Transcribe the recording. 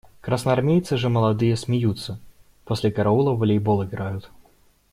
Красноармейцы же молодые – смеются, после караула в волейбол играют.